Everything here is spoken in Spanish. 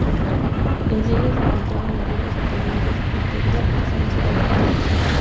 En ella se encontraban viviendas y talleres de zapateros, artesanos y carpinteros.